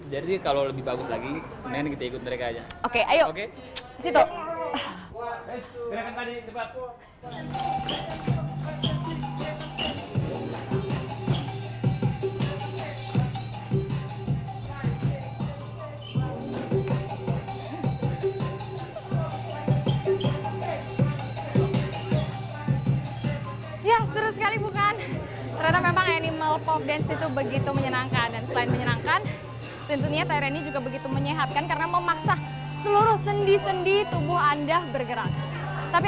jadi kalau lebih bagus lagi mendingan kita ikut mereka aja